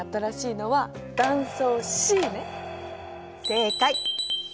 正解！